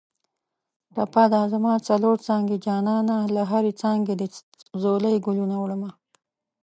ټپه ده: زما څلور څانګې جانانه له هرې څانګې دې ځولۍ ګلونه وړمه